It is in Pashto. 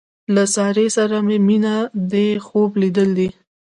له سارې سره مې مینه دې خوب لیدل دي.